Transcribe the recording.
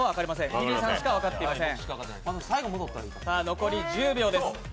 リリーさんしか分かっていません。